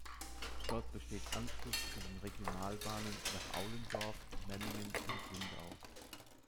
Dort besteht Anschluss zu den Regionalbahnen nach Aulendorf, Memmingen und Lindau.